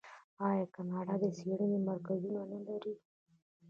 آیا کاناډا د څیړنې مرکزونه نلري؟